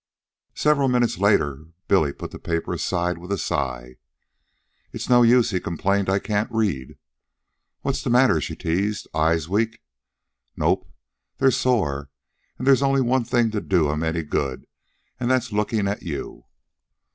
Several minutes later Billy put the paper aside with a sigh. "It's no use," he complained. "I can't read." "What's the matter?" she teased. "Eyes weak?" "Nope. They're sore, and there's only one thing to do 'em any good, an' that's lookin' at you."